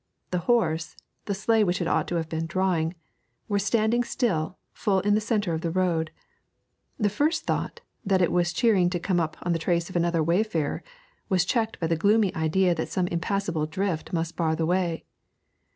The horse, the sleigh which it ought to have been drawing, were standing still, full in the centre of the road. The first thought, that it was cheering to come upon the trace of another wayfarer, was checked by the gloomy idea that some impassable drift must bar the way.